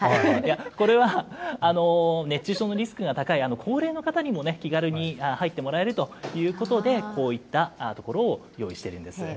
これは熱中症のリスクが高い高齢の方にも気軽に入ってもらえるということで、こういった所を用意しているんです。